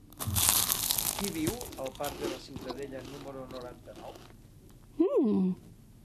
Qui viu al parc de la Ciutadella número noranta-nou?